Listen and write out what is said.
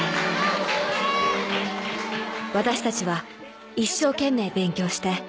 ［私たちは一生懸命勉強して］